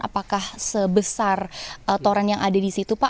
apakah sebesar toren yang ada di situ pak